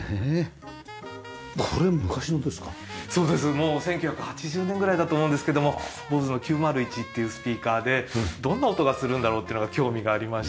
もう１９８０年ぐらいだと思うんですけどもＢＯＳＥの９０１っていうスピーカーでどんな音がするんだろう？っていうのが興味がありまして。